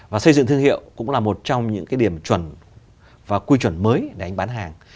và xây dựng thương hiệu cũng là một trong những điểm chuẩn và quy chuẩn mới để anh bán hàng